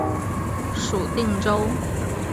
属定州。